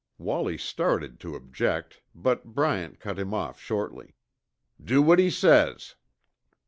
Wallie started to object, but Bryant cut him off shortly. "Do what he says!"